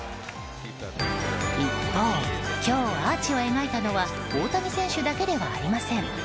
一方、今日アーチを描いたのは大谷選手だけではありません。